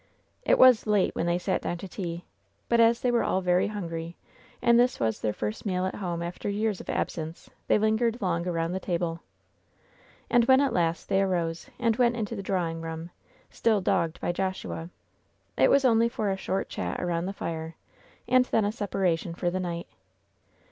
It was late when they sat down to tea, but as they were all very hungry, and this was their first meal at home after years of absence, they lingered long around the table. And when at last they arose and went into the draw ing room, still "dogged" by Joshua, it was only for a short chat around the fire, and then a separation for the night.